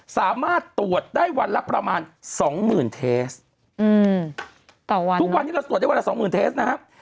สามารถตรวจได้วันละประมาณสองหมื่นเทสต่อวันทุกวันนี้เราตรวจได้วันละสองหมื่นเทสนะครับ